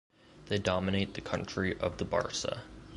They dominate the country of the Bârsa.